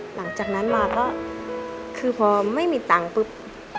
หลังจากนั้นมาก็คือพอไม่มีตังค์ปุ๊บ